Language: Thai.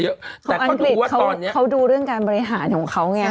อังกฤษเขาดูเรื่องการบริหารของเขาไง